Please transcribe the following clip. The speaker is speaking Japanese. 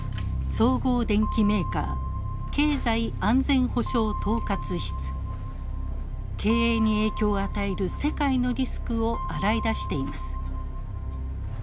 総合電機メーカー経営に影響を与える世界のリスクを洗い出しています。